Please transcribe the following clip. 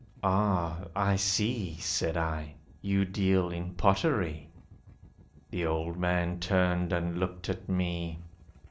"Ah, I see," Said I, "you deal in pottery." The old man turned and looked at me.